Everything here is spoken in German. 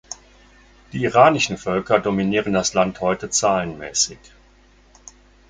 Die iranischen Völker dominieren das Land heute zahlenmäßig.